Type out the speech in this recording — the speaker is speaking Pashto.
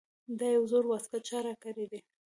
دا یو زوړ واسکټ چا راکړے دے ـ